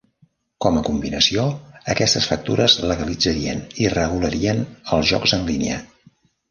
Com a combinació, aquestes factures legalitzarien i regularien els jocs en línia.